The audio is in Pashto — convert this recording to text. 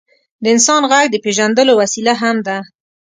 د انسان ږغ د پېژندلو وسیله هم ده.